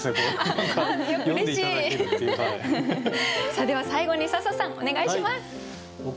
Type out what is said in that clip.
さあでは最後に笹さんお願いします。